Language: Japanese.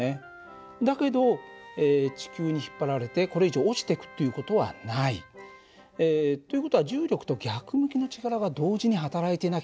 だけど地球に引っ張られてこれ以上落ちていくっていう事はない。という事は重力と逆向きの力が同時にはたらいてなきゃいけないはずだよね。